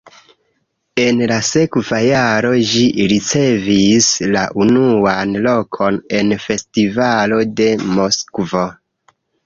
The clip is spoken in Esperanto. En la sekva jaro ĝi ricevis la unuan lokon en festivalo de Moskvo.